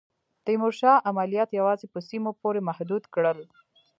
تیمورشاه عملیات یوازي په سیمو پوري محدود کړل.